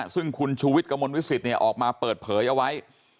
ซึ่งคุณชูวิทย์กระมวลวิสิตออกมาเปิดเผยเอาไว้